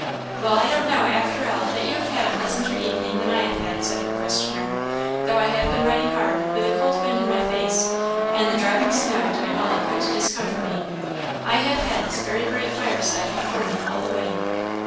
"Well, I don't know, after all, that you have had a pleasanter evening than I have had," said her questioner, "though I have been riding hard, with the cold wind in my face, and the driving snow doing all it could to discomfort me. I have had this very bright fireside before me all the way."